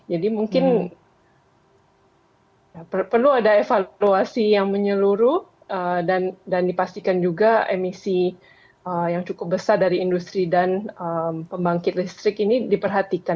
jadi mungkin perlu ada evaluasi yang menyeluruh dan dipastikan juga emisi yang cukup besar dari industri dan pembangkit listrik ini diperhatikan